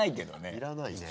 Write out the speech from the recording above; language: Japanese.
要らないね。